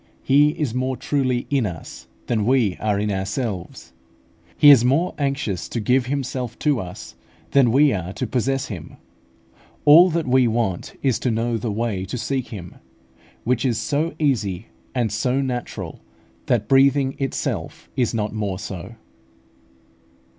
He is more truly in us than we are in ourselves. He is more anxious to give Himself to us than we are to possess Him. All that we want is to know the way to seek Him, which is so easy and so natural, that breathing itself is not more so.